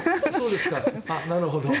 なるほど。